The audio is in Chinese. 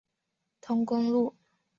通公路。